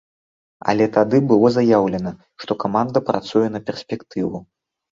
Але тады было заяўлена, што каманда працуе на перспектыву.